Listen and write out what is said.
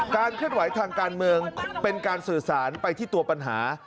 เคลื่อนไหวทางการเมืองเป็นการสื่อสารไปที่ตัวปัญหา